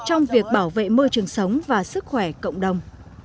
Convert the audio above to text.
trong việc bảo vệ môi trường sống và sức khỏe cộng đồng